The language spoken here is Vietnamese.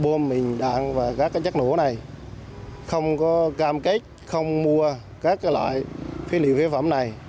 quảng ngãi sẽ hướng dẫn đến bom mìn đạn và các chất nổ này không có cam kết không mua các loại phế liệu phế phẩm này